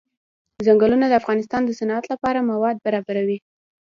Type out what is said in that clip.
ځنګلونه د افغانستان د صنعت لپاره مواد برابروي.